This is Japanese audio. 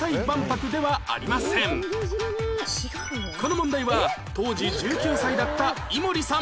この問題は当時１９歳だった井森さん